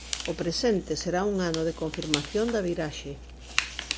O presente será un ano de confirmación da viraxe.